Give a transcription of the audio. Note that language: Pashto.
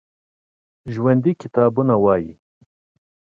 ژوندي کتابونه لولي